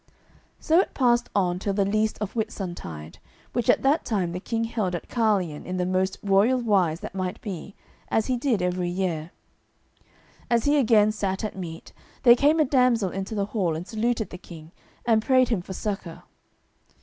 So it passed on till the least of Whitsuntide, which at that time the King held at Carlion in the most royal wise that might be, as he did every year. As he again sat at meat, there came a damsel into the hall and saluted the King, and prayed him for succour.